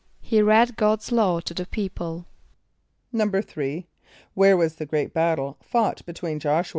=He read God's law to the people.= =3.= Where was the great battle fought between J[)o]sh´u [.